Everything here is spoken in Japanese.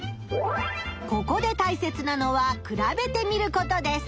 ここでたいせつなのは比べてみることです。